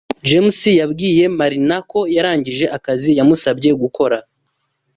James yabwiye Marina ko yarangije akazi yamusabye gukora.